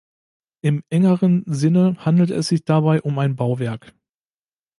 Im engeren Sinne handelt es sich dabei um ein Bauwerk.